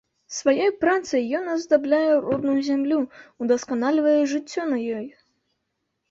Сваёй працай ён аздабляе родную зямлю, удасканальвае жыццё на ёй.